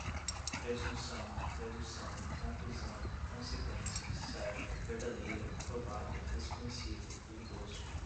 presunção, dedução, conclusão, consequência, certa, verdadeira, provada, desconhecido, duvidoso